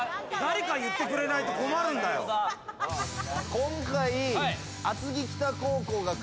今回。